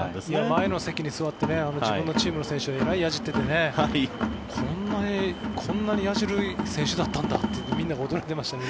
前の席に座って自分のチームの選手をえらいやじっててこんなにやじる選手だったんだってみんなが驚いてましたね。